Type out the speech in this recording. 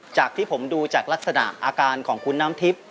จากที่ผมดูจากลักษณะอาการของคุณน้ำทิพย์